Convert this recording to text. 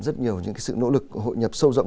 rất nhiều những cái sự nỗ lực hội nhập sâu rộng